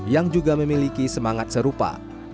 yang juga memiliki semangat serupa